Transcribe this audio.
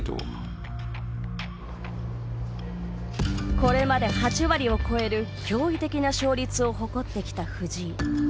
これまで８割を超える驚異的な勝率を誇ってきた藤井。